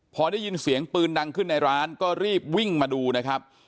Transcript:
พอได้ยินเสียงปืนดังขึ้นในร้านก็รีบวิ่งมาดูนะครับ